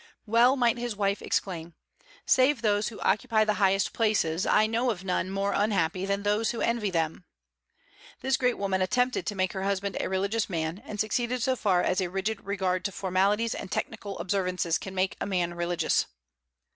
Well might his wife exclaim, "Save those who occupy the highest places, I know of none more unhappy than those who envy them." This great woman attempted to make her husband a religious man, and succeeded so far as a rigid regard to formalities and technical observances can make a man religious.